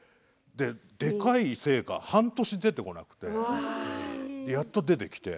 でかいせいか、半年出てこなくてやっと出てきて。